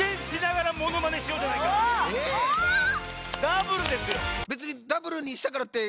⁉ダブルですよ。